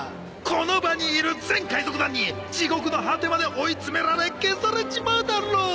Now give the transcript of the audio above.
この場にいる全海賊団に地獄の果てまで追い詰められ消されちまうだろう！